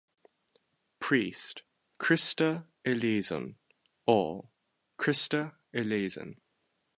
Priest: Christe, eleison. All: Christe, eleison.